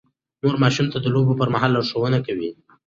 مور ماشوم ته د لوبو پر مهال لارښوونه کوي.